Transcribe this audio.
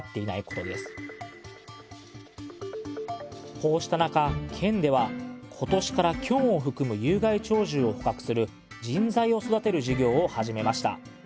こうした中県では今年からキョンを含む有害鳥獣を捕獲する人材を育てる事業を始めました。